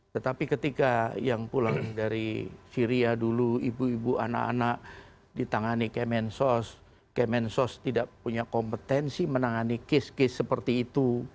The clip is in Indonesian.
tetapi ketika yang pulang dari syria dulu ibu ibu anak anak ditangani kemensos kemensos tidak punya kompetensi menangani case case seperti itu